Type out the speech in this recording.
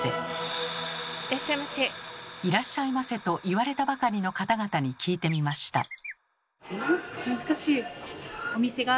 「いらっしゃいませ」と言われたばかりの方々に聞いてみました。